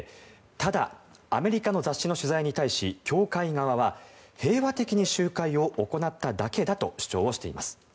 ただアメリカの雑誌の取材に対し教会側は、平和的に集会を行っただけだと主張しています。